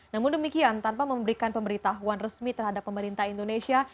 namun demikian tanpa memberikan pemberitahuan resmi terhadap pemerintah indonesia